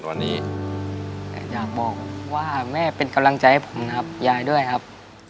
วันนี้อยากบอกว่าแม่เป็นกำลังใจให้ผมนะครับยายด้วยครับ